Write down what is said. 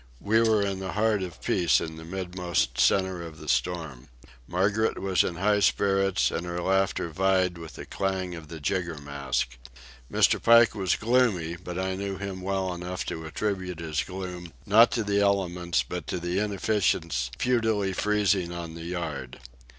We were in the heart of peace in the midmost centre of the storm. Margaret was in high spirits, and her laughter vied with the clang of the jiggermast. Mr. Pike was gloomy, but I knew him well enough to attribute his gloom, not to the elements, but to the inefficients futilely freezing on the yard.